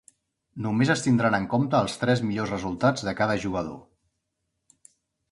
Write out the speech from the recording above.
Només es tindran en compte els tres millors resultats de cada jugador.